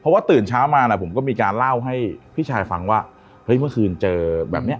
เพราะว่าตื่นเช้ามาน่ะผมก็มีการเล่าให้พี่ชายฟังว่าเฮ้ยเมื่อคืนเจอแบบเนี้ย